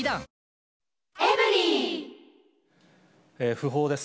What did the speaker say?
訃報です。